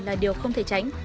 là điều không thể tránh